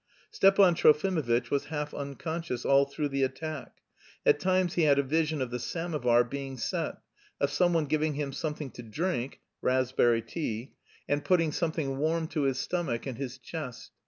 Stepan Trofimovitch was half unconscious all through the attack; at times he had a vision of the samovar being set, of someone giving him something to drink (raspberry tea), and putting something warm to his stomach and his chest.